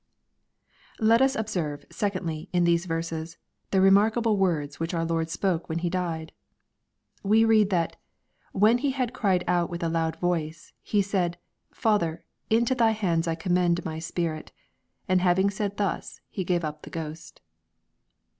Let us observe, secondly, in these verses, the remarh able words which our Lord spoke when He died. We read that *^ When he had cried with a loud voice, he said, Father, into thy hands I commend my spirit : and hav ing said thus, he gave up the ghost."